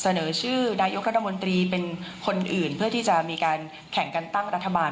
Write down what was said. เสนอชื่อนายกรัฐมนตรีเป็นคนอื่นเพื่อที่จะมีการแข่งกันตั้งรัฐบาล